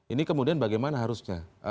ini kemudian bagaimana harusnya